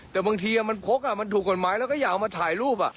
แต่บางทีมันโพกมันถูกกว่าไม้แล้วก็อยากมาถ่ายรูปอ่ะ